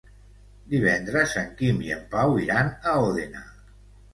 Divendres en Quim i en Pau iran a Òdena.